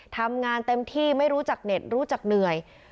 ทำงานเต็มที่ไม่รู้จักเน็ตรู้จักเหนื่อย